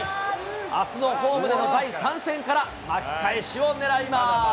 あすのホームでの第３戦から巻き返しをねらいます。